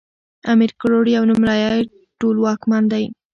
امير کروړ يو نوميالی ټولواکمن وی